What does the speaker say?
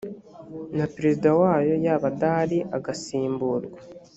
na perezida wayo yaba adahari agasimburwa